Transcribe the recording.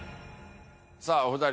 さあお二人